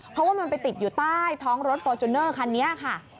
เพราะว่ามันไปติดอยู่ใต้ท้องรถฟอร์จูเนอร์คันนี้ค่ะ